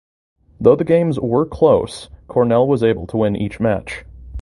Though the games were close Cornell was able to win each match.